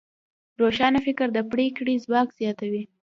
روښانه فکر د پرېکړې ځواک زیاتوي.